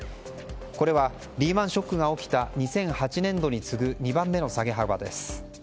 これはリーマン・ショックが起きた２００８年度に次ぐ２番目の下げ幅です。